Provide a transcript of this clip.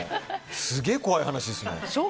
すげえ怖い話ですね。